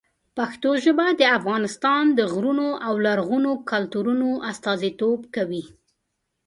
پښتو ژبه د افغانستان د غرونو او لرغونو کلتورونو استازیتوب کوي.